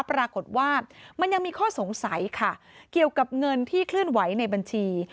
ปรากฏว่ามันยังมีข้อสงสัยค่ะเกี่ยวกับเงินที่เคลื่อนไหวในบัญชี